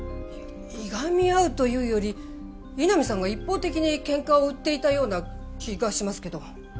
いがみ合うというより井波さんが一方的に喧嘩を売っていたような気がしますけど。